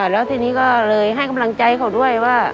แล้วทีนี้ก็เลยให้กำลังใจเขาด้วยว่า